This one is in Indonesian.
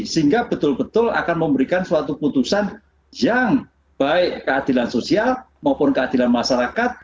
sehingga betul betul akan memberikan suatu putusan yang baik keadilan sosial maupun keadilan masyarakat